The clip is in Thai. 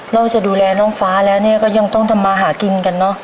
จะดูแลน้องฟ้าแล้วเนี่ยก็ยังต้องทำมาหากินกันเนอะ